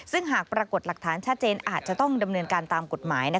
ซึ่งหากปรากฏหลักฐานชัดเจนอาจจะต้องดำเนินการตามกฎหมาย